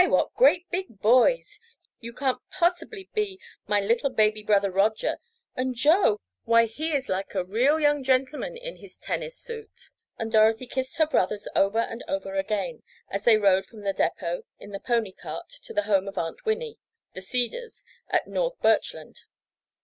What great big boys! You can't possibly be my little baby brother Roger. And Joe! Why he is like a real young gentleman in his tennis suit!" And Dorothy kissed her brothers over and over again, as they rode from the depot in the pony cart to the home of Aunt Winnie, "The Cedars," at North Birchland.